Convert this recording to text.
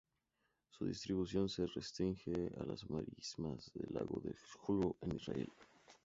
Su distribución se restringe a las marismas del lago de Jule en Israel.